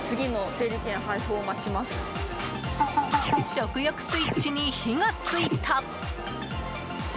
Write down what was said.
食欲スイッチに火が付いた！